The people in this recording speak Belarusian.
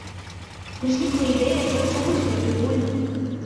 Узнікла ідэя працягнуць гэтую гульню.